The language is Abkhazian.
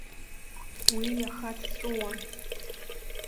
Уи иаха дҵәуон!